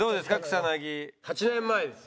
草薙８年前です。